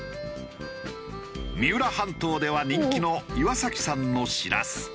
三浦半島では人気の岩崎さんのしらす。